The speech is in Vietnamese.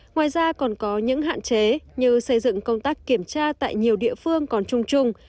ngoài ra còn có những hạn chế như xây dựng công tác kiểm tra tại nhiều địa phương còn chung chung